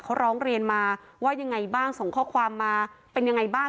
เขาร้องเรียนมาว่ายังไงบ้างส่งข้อความมาเป็นยังไงบ้าง